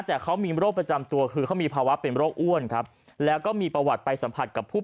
แต่เขามีโรคประจำตัวคือเขามีภาวะเป็นโรคอ้วนครับแล้วก็มีประวัติไปสัมผัสกับผู้